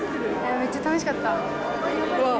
めっちゃ楽しかった。